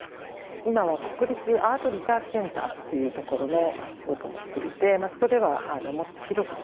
今は国立アートリサーチセンターというところの仕事もしていてまあそこではもっと広くですね